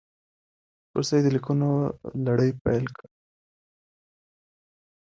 وروسته یې د لیکونو لړۍ پیل کړه.